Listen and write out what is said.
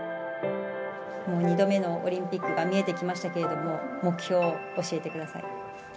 もう２度目のオリンピックが見えてきましたけれども、目標を教えてください。